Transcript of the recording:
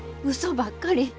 うそばっかり。